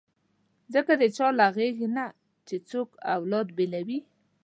ځکه د چا له غېږې نه چې څوک اولاد بېلوي.